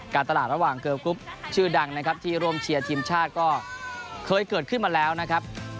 การตลาดระหว่างเกอร์กรุ๊ปชื่อดังนะครับที่ร่วมเชียร์ทีมชาติก็เคยเกิดขึ้นมาแล้วนะครับ